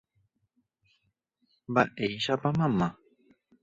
Mba'éichapa mama.